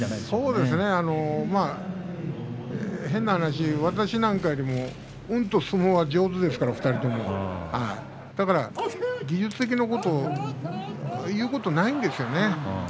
そうですね、変な話私なんかよりうんと相撲が上手ですから、２人とも。だから技術的なこと言うことがないんですよね。